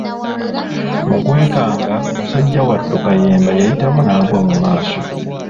Mu kwekanga musajja wattu Kayemba yayitamu n’agwa mu maaso.